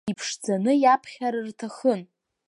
Иԥшӡаны иаԥхьар рҭахын.